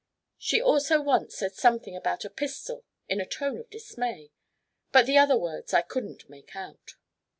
She also once said something about a pistol in a tone of dismay, but the other words I couldn't make out.